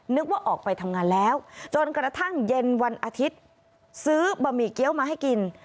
นึกว่าออกไปทำงานแล้วจนกระทั่งเย็นวันอาทิตย์ซื้อบะหมี่เกี้ยวมาให้กิน